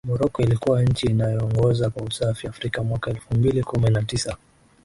Morocco ilikuwa nchi iliyoongoza kwa usafi Afrika mwaka elfu mbili kumi na tisa